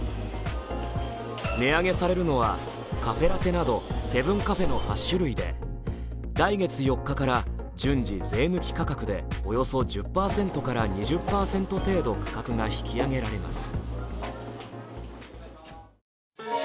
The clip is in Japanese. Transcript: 値上げされるのは、カフェラテなどセブンカフェの８種類で来月４日から順次、税抜き価格でおよそ１０％から２０％程度価格が引き上げられます。